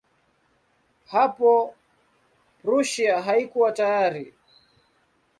Hapo Prussia haikuwa tayari.